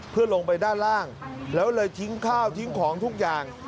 เพื่อลงไปด้านล่างแล้วเลยทิ้งข้าวทิ้งของทุกอย่าง